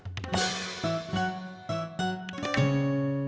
nggak ada lagi nama patar